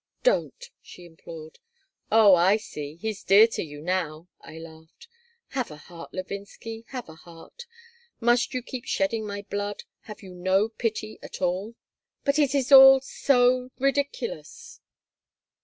"Don't," she implored "Oh, I see. He's dear to you now," I laughed "Have a heart, Levinsky. Have a heart. Must you keep shedding my blood? Have you no pity at all?" "But it is all so ridiculous.